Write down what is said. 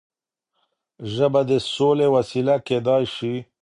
ژبه د سولې وسيله کيدای شي.